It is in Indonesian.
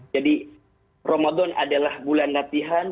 jadi ramadan adalah bulan latihan